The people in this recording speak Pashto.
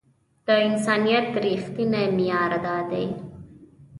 د انسانيت رښتينی معيار دا دی.